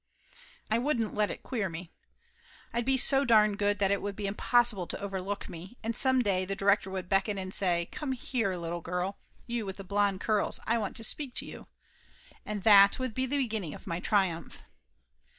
I wouldn't let it queer me. I'd be so darn good that it would be impossible to overlook me, and some day 128 Laughter Limited the director would beckon and say, "Come here, little girl, you with the blond curls I want to speak to you," and that would be the beginning of my triumph.